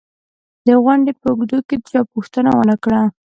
د غونډې په اوږدو کې چا پوښتنه و نه کړه